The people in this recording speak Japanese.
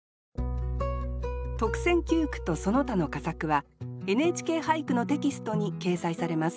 特選九句とその他の佳作は「ＮＨＫ俳句」のテキストに掲載されます。